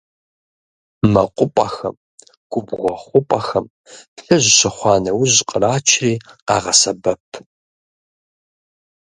Мэкъупӏэхэм, губгъуэ хъупӏэхэм плъыжь щыхъуа нэужь кърачри къагъэсэбэп.